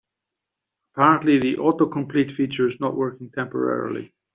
Apparently, the autocomplete feature is not working temporarily.